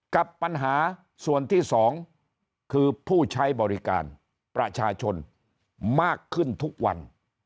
กับปัญหาส่วนที่๒คือผู้ใช้บริการประชาชนมากขึ้นทุกวัน